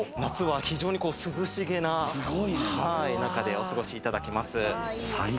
夏は非常に涼しげな中でお過ごしいただけます。